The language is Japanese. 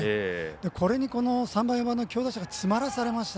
これに３番、４番の強打者が詰まらせられました。